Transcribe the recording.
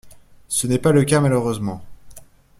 Ce n’est pas le cas, malheureusement.